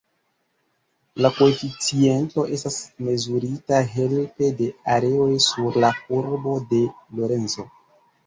La koeficiento estas mezurita helpe de areoj sur la Kurbo de Lorenzo.